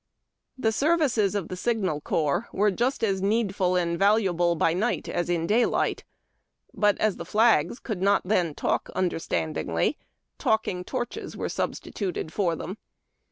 The services of the Signal Corps were just as needful and 400 HARD TACK AJS^D COFFEE. valuable by night as in daylight ; but, as the flags could not then talk understandingly, Talkiiig Torches ^vel•e substituted for them.